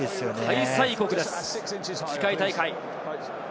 開催国です、次回大会。